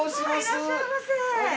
いらっしゃいませ。